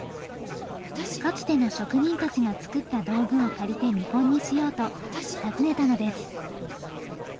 かつての職人たちが作った道具を借りて見本にしようと訪ねたのです。